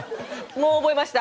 もう覚えました